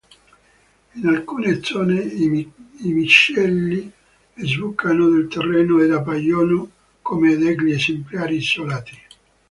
In alcune zone i miceli sbucano dal terreno ed appaiono come degli esemplari isolati.